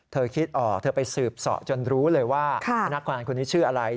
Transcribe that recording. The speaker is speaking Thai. เธอคิดออกเธอไปสืบเสาะจนรู้เลยว่าพนักงานคนนี้ชื่ออะไร